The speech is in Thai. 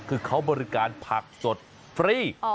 คือเขาบริการผักสดฟรี